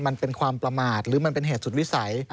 มันเป็นความประมาทหรือมันเป็นเหตุสุดวิสัย